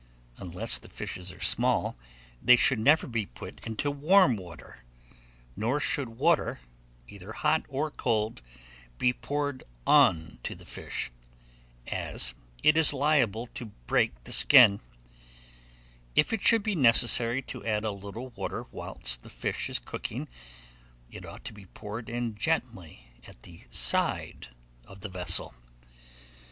Unless the fishes are small, they should never be put into warm water; nor should water, either hot or cold, be poured on to the fish, as it is liable to break the skin: if it should be necessary to add a little water whilst the fish is cooking, it ought to be poured in gently at the side of the vessel.